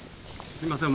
すみません。